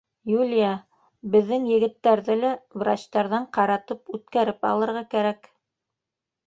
— Юлия, беҙҙең егеттәрҙе лә врачтарҙан ҡаратып үткәреп алырға кәрәк.